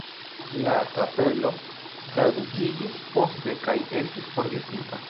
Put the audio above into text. La kapelo kadukiĝis poste kaj estis forgesita.